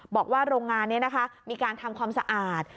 บอกว่าโรงงานนี้นะคะมีการทำความสะอาด